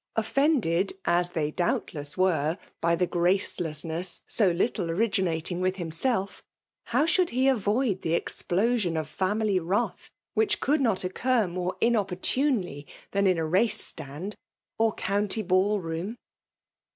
Offisnded, as they doubtless were, by the. gracelessness so little originating with himself, how should he avoid the explosion of family wrath, which could not occur more inopportunely dian in a race stand, or county ball room?